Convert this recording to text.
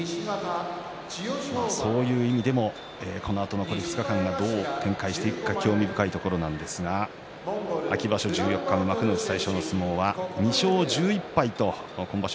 そういう意味でもこのあとの２日間どう展開していくか興味深いところなんですが秋場所十四日目幕内最初の相撲は２勝１１敗と今場所